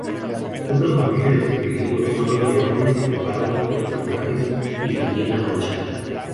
Otros mamíferos en peligro son los leones, leopardos, perros salvajes y la hiena manchada".